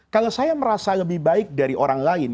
kalau saya merasa lebih baik dari orang lain